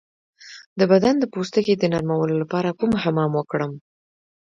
د بدن د پوستکي د نرمولو لپاره کوم حمام وکړم؟